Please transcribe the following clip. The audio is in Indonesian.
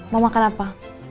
mau makan apa